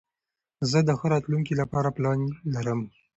زه د ښه راتلونکي له پاره پلان لرم.